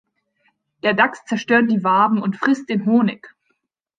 Der Dachs zerstört die Waben und frisst den Honig.